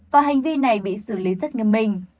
và hành vi này bị xử lý rất nghiêm minh